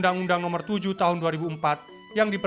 dan dibagi secara adil